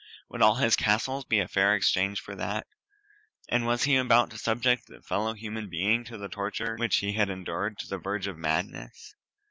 Would all his castles be a fair exchange for that? And was he about to subject a fellow human being to the torture which he had endured to the verge of madness?